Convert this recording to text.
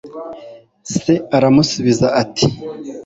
se aramusubiza ati